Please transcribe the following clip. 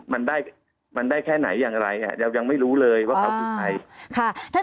มันได้มันได้แค่ไหนอย่างไรเรายังไม่รู้เลยว่าเขาคือใคร